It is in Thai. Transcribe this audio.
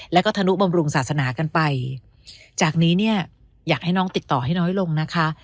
แล้วก็ธนุบำรุงศาสนากันไปจากนี้เนี่ยอยากให้น้องติดต่อให้น้อยลงนะคะ